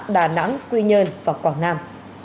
đà nẵng quy nhơn và quảng nam